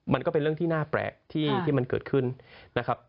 มันก็เป็นเรื่องที่น่าแปลกที่มันเกิดขึ้นนะครับ